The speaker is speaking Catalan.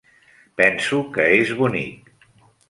Penso que és bonic.